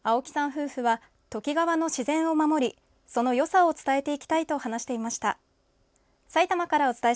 夫婦はときがわの自然を守りそのよさを伝えていきたいと話していました。